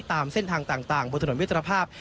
ตามเส้นทางต่างบนถนนมิตรภาพ